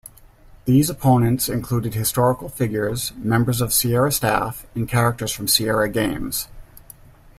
These opponents included historical figures, members of Sierra staff, and characters from Sierra games.